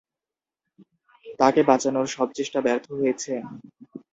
তাকে বাঁচানোর সব চেষ্টা ব্যর্থ হয়েছে।